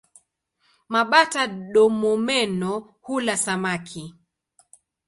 Mabata-domomeno hula samaki.